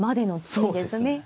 そうですね。